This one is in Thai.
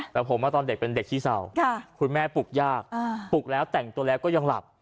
แต่ผมว่าตอนเด็กเป็นเด็กขี้เศร้าคุณแม่ปลุกยากปลุกแล้วแต่งตัวแล้วก็ยังหลับ